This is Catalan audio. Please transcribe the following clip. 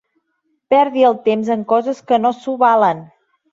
Perdi el temps en coses que no s'ho valen.